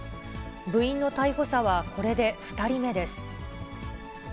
部員の逮捕者はこれで２人目です。